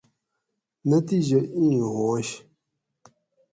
نتیجہ ایں ھوانش